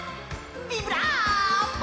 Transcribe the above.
ビブラーボ！